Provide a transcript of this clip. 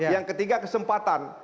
yang ketiga kesempatan